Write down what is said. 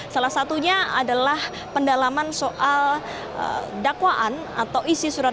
salah satunya adalah pendalaman soal dakwaan atau isi surat